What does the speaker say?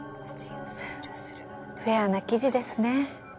フェアな記事ですね。